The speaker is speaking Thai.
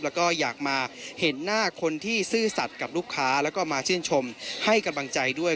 แล้วก็อยากมาเห็นหน้าคนที่ซื่อสัตว์กับลูกค้าแล้วก็มาชื่นชมให้กำลังใจด้วย